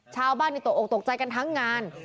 ชาวบ้านนี่ตกออกตกใจกันทั้งงาน